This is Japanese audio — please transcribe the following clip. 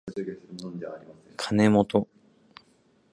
かねもと